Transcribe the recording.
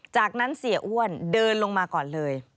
จากนั้นเสียอ้วนเดินลงมาก่อนเลย